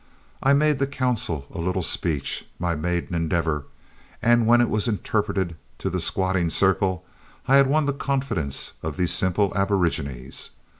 I made the council a little speech, my maiden endeavor, and when it was interpreted to the squatting circle I had won the confidence of these simple aborigines.